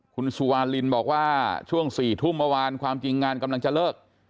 คุณสุวาลินบอกว่าช่วง๔ทุ่มเมื่อวานความจริงงานกำลังจะเลิก